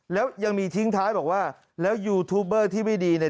แล้วยังมีทิ้งท้ายบอกว่าแล้วยูทูบเบอร์ที่ไม่ดีเนี่ย